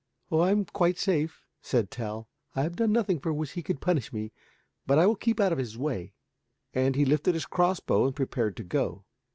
"Oh, I am quite safe," said Tell; "I have done nothing for which he could punish me. But I will keep out of his way," and he lifted his crossbow and prepared to go.